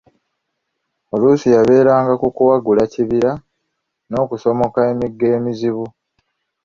Oluusi yabagerezanga ku kuwagula kibira n'okusomoka emigga emizibu.